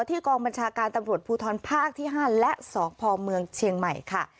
ที่กองบรรชาการตำรวจพภห้างพภ้านและสภเชียงใหม่